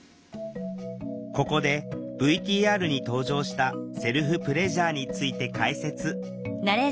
ここでＶＴＲに登場したセルフプレジャーについて解説。